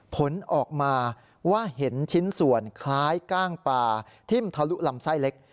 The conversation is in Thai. ผลออกมาว่าเห็นชิ้นส่วนคล้ายก้างปลาทิ่มทะลุลำไส้เล็ก